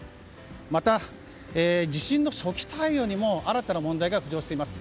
また、地震の初期対応にも新たな問題が浮上しています。